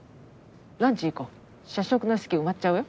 ランチ行こう社食の席埋まっちゃうよ。